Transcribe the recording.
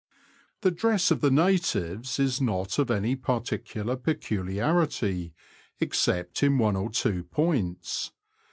The dress of the natives is not of any particular peculiarity, except in one or two points.